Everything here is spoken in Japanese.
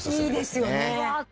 いいですよね。